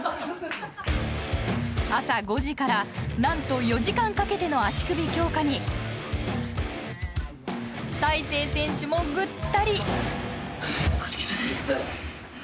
朝５時から何と４時間かけての足首強化に大勢選手もぐったり。